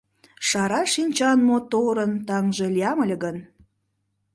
Шара шинчан моторын таҥже лиям ыле гын